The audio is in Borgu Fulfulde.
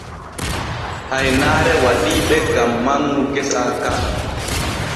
Haynaare waɗii ɓe gam manŋu gesa ka.